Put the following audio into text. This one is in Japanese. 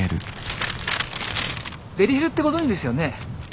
デリヘルってご存じですよねえ。